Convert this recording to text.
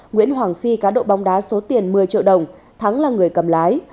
nguyễn hoàng phi cá độ bóng đá số tiền một mươi triệu đồng thắng là người cầm lái